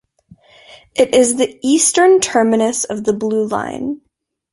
It is the eastern terminus of the Blue Line.